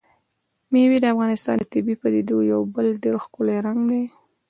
مېوې د افغانستان د طبیعي پدیدو یو بل ډېر ښکلی رنګ دی.